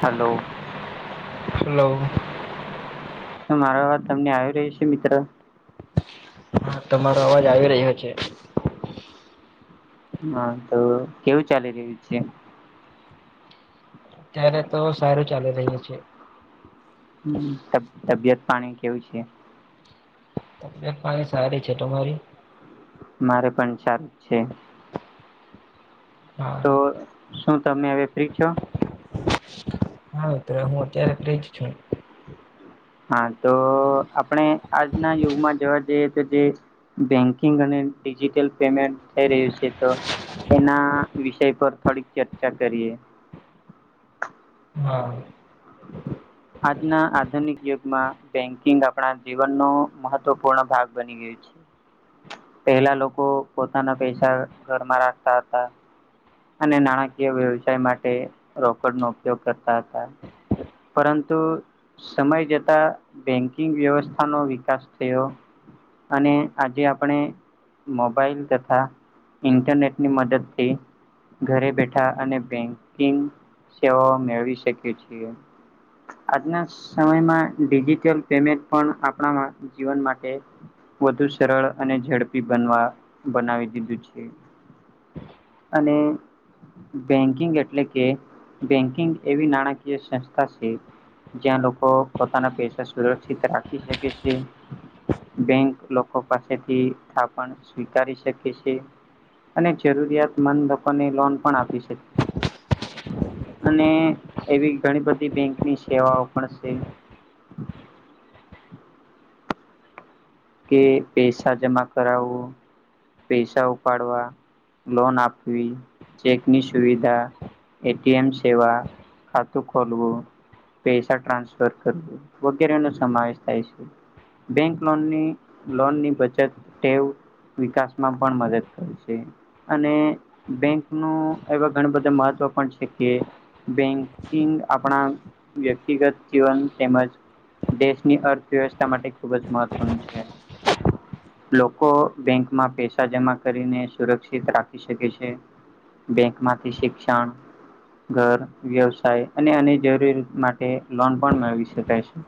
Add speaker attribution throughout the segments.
Speaker 1: Hello
Speaker 2: hello
Speaker 1: શું મારો વાત તમને આવી રહી છે મિત્ર
Speaker 2: હા તમારો અવાજ આવી રહ્યો છે
Speaker 1: હા તો કેવું ચાલી રહ્યું છે
Speaker 2: અત્યારે તો સારું ચાલી રહ્યું છે
Speaker 1: તબિયત પાણી કેવું છે
Speaker 2: તબિયત મારી સારી છે તમારી
Speaker 1: મારે પણ સારું છે
Speaker 2: હા
Speaker 1: તો શું તમે હવે ફ્રી છો
Speaker 2: હાત હું અત્યારે ફજ છું
Speaker 1: હા તો આપણે આજના યુગમાં જોવા જઈએ તો જે બેંકિંગ અને ડિજિટલ પેમેન્ટ થઈ રહ્યું છે તો એના વિષય પર થોડીક ચર્ચા કરીએ
Speaker 2: હા [unintelligible]
Speaker 1: આજના આધુનિક યુગમાં બેન્કિંગ આપણા જીવનનો મહત્વપૂર્ણ ભાગ બને ગઈ પેલા લોકો પોતાના પૈસા ઘરમાં રાખતા હતા અને નાણાકીય વ્યવસાય માટે રોકડ નો ઉપયોગ કરતા હતા પરંતુ સમય જતા બેંકિંગ વ્યવસ્થાનોો વિકાસ થયો અને આજે આપણે મોબાઈલ તથા ઇન્ટરનેટની મદદથી ઘરે બેઠા અને બેંકિંગ સેવાઓ મેળવી શકીએ છીએ આજના સમયમાં ડિજિટલ પેમેન્ટ પણ આપણા જીવન માટે વધુ સરળ અને ઝડપી બનવા બનાવી દીધું છે અને બેન્કિંગ એટલે કે બેન્કિંગ એવી નાણાકીય સંસ્ જ્યાં લોકો પોતાના પૈસા સુરક્ષિત રાખી શકે છે બેંક લોકો પાસેથી થાપણ સ્વીકારી શકે છે અને જરૂરિયાતમંદ લોકોને લોન પણ આપી શકે છેએ અને એવી ઘણી બધી બેંકની સેવાઓ પણ છે કે પૈસા જમા કરાવું પૈસા ઉપાડવા લોન આપવી ચેકની સુવિધા એટી એમ સેવા ખાતું ખોલવું પૈસા ટ્રાન્સફર કરવું વગેરે નો સમાવેશ થાય છે. બેંક લોનની લોનની બચત ટેવ વિકાસ માં પણ મદદ કરે છે. અને બેંક ન એવા ઘણા બધા મહત્વ પણ છે કે બેંકિંગ આપણા વ્યક્તિગત જીવન તેમજ દેશની અર્થવ્યવસ્થા માટે ખુબ જ મહત્વનું છે. લોકો બેંકમાં પેશ જમા કરીને સુરક્ષિત રાખી શકે છે બેંકમાંથી શિક્ષણ ઘર વ્યવસાય અને અન્ય જરૂરી માટે લોન પણ મેળવી શકાય છે.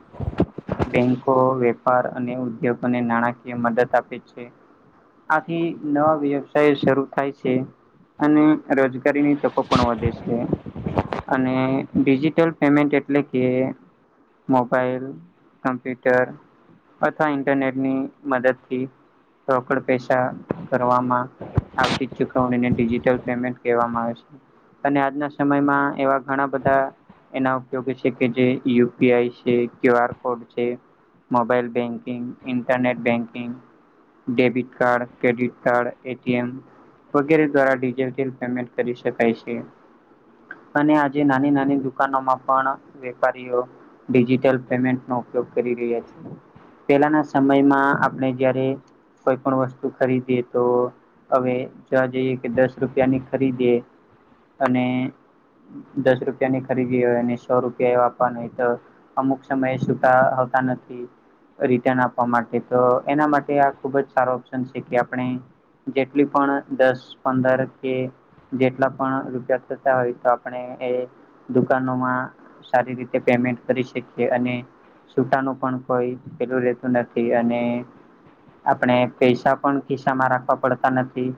Speaker 1: બેંકો વેપાર અને ઉદ્યોગોને નાણાકીય મદદ આપે છે. આથી નવા વ્યવસાય શરૂ થાય છે. અને રોજગારીની તકો પણ વધે છે. અને ડિજિટલ પેમેન્ટ એટલે કે મોબાઈલ કમ્પ્યુટર અથા ઇન્ટરનેટ ની મદદથી રોકડ પેસા કરવામાં આવતી જ ચુકવણીને ડિજિટલ પેમેન્ટ કેવામાં આવે છે. અને આજના સમયમાં એવા ઘણા બધા એના ઉપયોગ છે કે જે યુ. પી. આઈ. છે ક્યુ. આર. કોડ છે. Mobile banking internet banking debit card credit card A. T. M. વગેરે દ્વારા ડિજેટીયલ પેમેન્ટ કરી શકાય છે. અને આજે નાની નાની દુકાનોમાં પણ વેપારીઓ ડિજિટલ પેમેન્ટનો ઉપયોગ કરી રહ્યા છે. પેલાંના સમયમાં આપણે જ્યારે પણ વસ્તુ ખરીદીએ તો હવે જોવા જઈએ કે દસ રૂપિયા ની ખરીદીએ અને દસ રૂપિયાની ખરીદી હોય અને સો રૂપિયા એ આપવાના હોય તો અમુક સમયે છટા આવતા નથી. રિટર્ન આપવા માટે તો એના માટે આ ખુબ જ સારો ઓપ્શન છે કે આપણે જેટલી પણ દસ પંદર કે જેટલા પણ રૂપિયા થતા હોય તો આપણે એ દુકાનોમાં સારી રીતે પેમેન્ટ કરી શકીએ અને છુટા નુ પણ કોઈ પેલું રહેેતું નથી અને આપણે પૈસા પણ ખિસ્સા માં રાખવા પડતા નથી.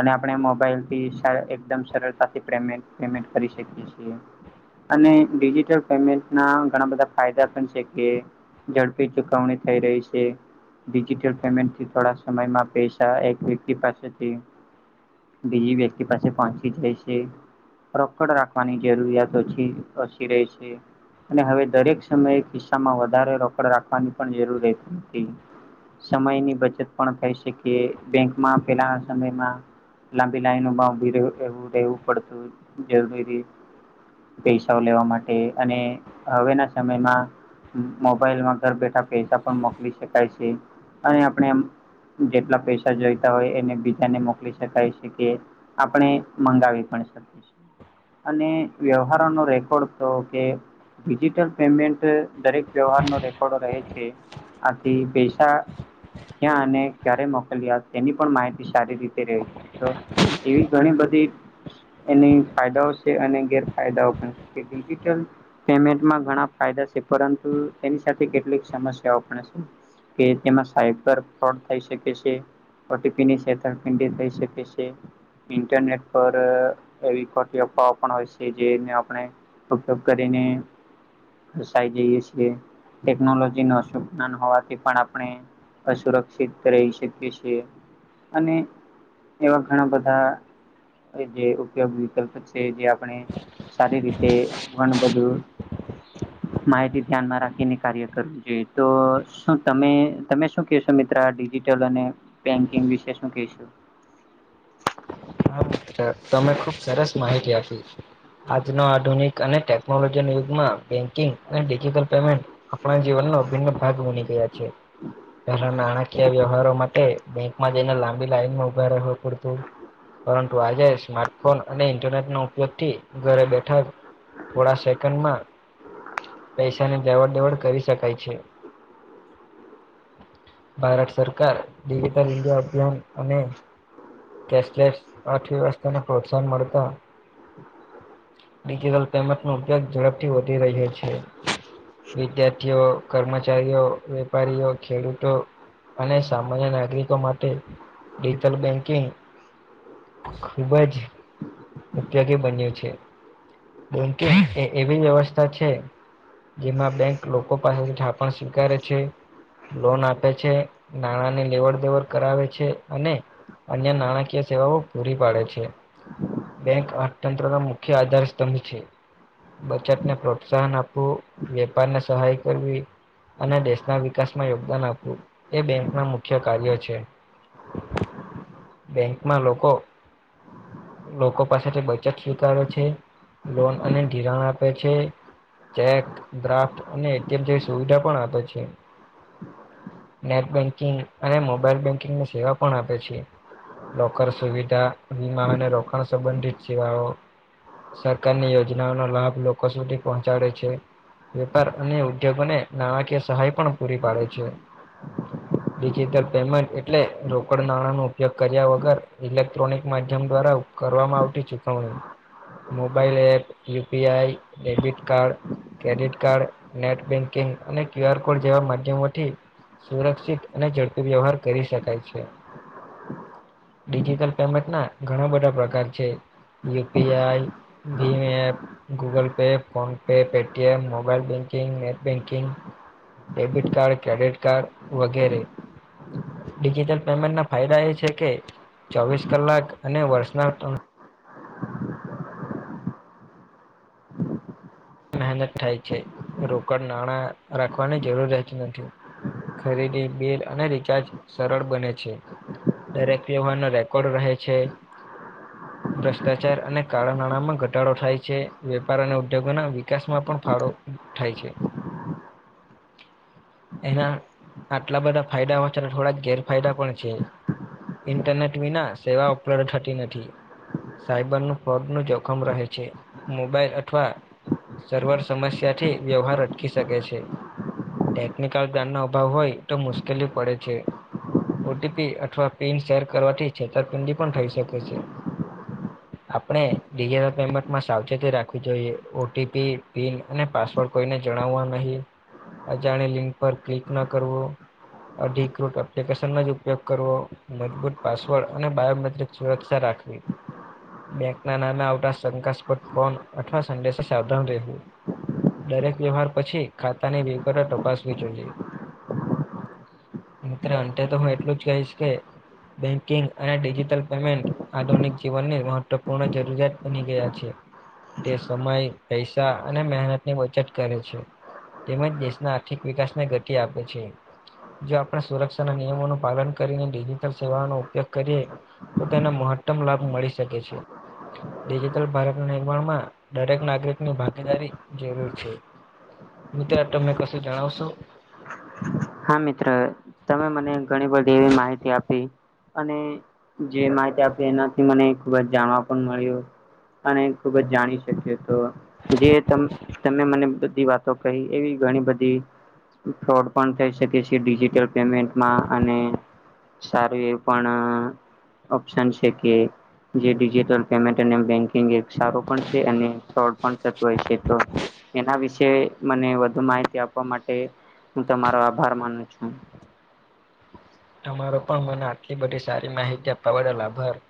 Speaker 1: અને આપણે મોબાઈલથી એકદમ સરળતાથી પેમેન્ટ પેમેન્ટ કરી શકીએ છીએ. અને ડિજિટલ પેમેન્ટ ના ઘણા બધા ફાયદા પણ છે કે ઝડપી ચુકવણી થઈ રહી છે, ડિજિટલ પેમેન્ટથી થોડા સમયમાં પૈસા એક વ્યક્તિ પાસેથી બીજી વ્યક્તિ પાસે પહોંચી ગયી છે. રોકડ રાખવાની જરૂરિયાત ઓછી ઓછી રહે છે. અને હવે દરેક સમયે ખિસ્સા માં વધારે રોકડ રાખવાની પણ જરૂરત રે તી સમયની બચત પણ થઈ શકીએ બેંકમાં પેલા સમયમાં લાંબી લાઈનોમાં ઉભી રેવું રહેવું પડતું જરૂરી પૈસાઓ લેવા માટે અને હવેના સમયમાં મોબાઈલમાં ઘર બેઠા પૈસા પણ મોકલી શકાય છે અને આપણે એમ જેટલા પૈસા જોઈતા હોય એને બીજાને મોકલી શકાય છે કે આપણે મંગાવી પણ શકી છે. અને વ્યવહારો નો રેકોર્ડ તો કે ડિજિટલ પેમેન્ટ દરેક વ્યવહારનો રેકોર્ડો રહે છે આથી પૈસા ક્યાં અને ક્યારે મોકલ્યા તેની પણ માહિતી સારી રીતે રહી છે તો એવી ઘણી બધી એની ફાયદાઓ છે અને ગેરફાયદાઓ પણ છે એ ડિજિટલ પેમેન્ટમાં ઘણા ફાયદા છે પરંતુ એની સાથે કેટલીક સમસ્યાઓ પણ છે કે તેમાં સાયબર થઈ શકે છે ઓ. ટી. પી. ની છેતરપિંડી થઈ શકે છે. ઇન્ટરનેટ પર એવી ખોટી અફવા ઓ પણ હોય છે જેને આપણે ઉપયોગ કરીને ફસાઈ જઈએ છીએ. ટેકનોલોજી નો કસુ જ્ઞાન હોવાથી પણ આપણે અસુર [unintelligible] રહી શકીએ છીએ અને એવા ઘણા બધા જે ઉપયોગ વિકલ્પ છે જે આપણે સારી રીતે વન બધું માહિતી ધ્યાનમાં રાખીને કાર્ય કરવું જોઈએ તો શું તમે તમે શું કેશો મિત્ર આ ડિજિટલ અને બેંકિંગ વિશે શું કશું
Speaker 2: હા મિત્ર તમે ખુબ સરસ માહિતી આપી આજના આધુનિક અને ટેકનોલોજી યુગમાં બેન્કિંગ અને ડિજટલ પેમેન્ટ આપણા જીવનનો અભિન્ન ભાગ બની ગયા છે નાણાકીય વ્યવહારોમાં બેંકમાં જઈને લાંબી લાઈન માં ઉભા રહે પૂડતું પરંતુ આજે સ્માર્ટફોન અને ઇન્ટરનેટ ન ઉપયોગ થી ઘરે બેઠા થોડા સેકન્ડ માં પૈસા ની દવડ દેવડ કરી શકાય છે ભારત સરકાર ડિજિટલ ઇન્ડિયા અભિયાન અને કેશલેસ અર્થવ્યવસ્થાને પ્રોત્સાહન મળતા ડિજિટલ પેમેન્ટ નો ઉપયોગ ઝડપથી વધી રહ્યો છે વિદ્યાર્થીઓ કર્મચારીઓ વેપારીઓ ખેડૂતો અને સામાન્ય નાગરિકો માટે ડિજટલ બેંકિંગ ખુબ જ ઉપયોગી બન્યું છે બોમકે એવી વ્યવસ્થા છે જેમાં બેંક લોકો પાસેથી થાપણ સ્વીકારે છે લોન આપે છે નાણાં ની લેવડ દેવડ કરાવે છે અને અન્ય નાણાકીય સેવાઓ પૂરી પાડે છે બેંક આ તંત્ર ના મુખ્ય આધાર સ્તંભ છે બચતને પ્રોત્સાહન આપવું વેપારને સહાય કરવી અને દેશના વિકાસમાં યોગદાન આપવું એ બેંક ના મુખ્ય કાર્ય છે બેંકમાં લોકો લોકો પાસેથી બચત સ્વીકારારે છે લોન અને ઘિરાણ આપે છે ચેક ડ્રાફ્ટ અને એટીમ જેવી સુવિધા પણ આપ છે નેટ બેન્કિંગ અને મોબાઈલ બેન્કિંગની સેવા પણ આપે છે લોકર સુવિધા વીમા અને રોકાણ સંબંધિત સેવાઓ સરકારની યોજનાઓ ન લાભ લોકો સુધી પહોંચાડે છે વેપાર અને ઉદ્યોગોને નાણાકીય સહાય પણ પૂરી પાડે છે ડિજિટલ પેમેન્ટ એટલે રોકડ નાણાં ન ઉપયોગ કર્યા વગર ઇલે ્ટ્રોનિક માધ્યમ દ્વારા કરવામાં આવતી ચુકવણી mobile app UPI debit card credit card net banking અને ક્યુ આર કોડ જેવા માધ્યમોથી સુરક્ષિત અને ઝડપી વ્યવહાર કરી શકાય છે ડિજિટલ ના ઘણા બધા પ્રકાર છે યુપીઆઈીપ Google Pay PhonePe Paytm mobile banking net banking debit card credit card વગેરે ડિજિટલ પેમેન્ટ ના ફાયદા એ છે કે ચોવીસ કલાક અને વર્ષના્ર મહેનત થાય છે રોકડ નાણાં રાખવાની જરૂરત નથી ખરીદી બિલ અને રિચાર્જ સરળ બને છે દરેક વ્યવહારનો રેકોર્ડ રહે છે ભ્રષ્ટાચાર અને કાળા નાણામાં ઘટાડો થાય છે વેપાર અને ઉદ્યોગોના વિકાસમાં પણ ફાળો થાય છે એના આટલા બધા ફાયદા હો છે અને થોડા ગેરફાયદા પણ છે ઇન્ટરનેટ વિના સેવા ઉપલબ્ધ થતી નથી સાઈબર ન ફોગ નું જોખમ રહે છે મોબાઈલ અથવા સર્વર સમસ્યાથી વ્યવહાર અટકી શકે છે ટેકનિકલ ધ્ઞાન નો અભાવ હોય તો મુશ્કેલી પડે છે ઓટીપી અથવા પિન શેર કરવાથી છેતરપિંડી પણ થઈ શકે છે આપણેિજટલ પેમેન્ટમાં સાવચેતી રાખવી જોઈએ ઓકે ટીપી પિન અને પાસવર્ડ કોઈને જણાવવા નહીં અજાણે લિંક પર ક્લિક ન કરવો ઢીક્રૂટ એપ્લિકેશનનો જ ઉપયોગ કરવો મજબૂત પાસવર્ડ અને બાયોમેટ્રિક સુરક્ષા રાખવી બેંકના નામે આવતા શંકાસ્પદ કોન અથવા સંદેશ સાવધાન રહેવું દરેક વ્યવહાર પછી ખાતાની વગર તપાસવી જોઈએ મિત્ર અંતે તો હું એટલું જ કહીશ કે બેંકિંગ અને ડિજિટલ પેમેન્ટ આધુનિક જીવનની મહત્વપૂર્ણ જરૂરિયાત બની ગયા છે તે સમય પૈસા અને મહેનત ની બચત કરે છે તેમજ દેશના આર્થિક વિકાસને ગતિ આપે છે જો આપણે સુરક્ષાના નિયમોનું પાલન કરીને ડિજિટલ સેવાનો ઉપયોગ કરીએ તો તેને મહત્તમ લાભ મળી શકે છે. ડિજિટલ ભારત નિર્માણમાં દરેક નાગરિક ની ભાગીદારી જરૂર છે મિત્ર તને કશું જણાવશો.
Speaker 1: હા મિત્ર તમે મને ઘણી બધી એવી માહિતી આપી અને જે માહિતી આપી એનાથી મને ખુબ જ જાણવા પણ મળ્યું અને ખુબ જ જાણી શકીએ તો જે તમે મને બધી વાત તો કઈ એવી ઘણી બધી ફ્રોડ પણ થઈ શકે ડિજિટલ પેમેન્ટમાં અને સારું એવું પણ ઓપ્શન છે કે જેટલ પેન્ટંગ સ હોય છે એના વિશે મને વધુ માહિતી આપવા માટે હું તમારો આભાર માનું છું
Speaker 2: તમારો પણ મને આટલી બધી સારી માહિતી આપવા બદલ આાભાર